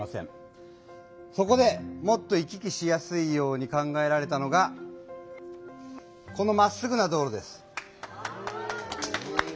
そこでもっと行き来しやすいように考えられたのがこのまっすぐな道路です。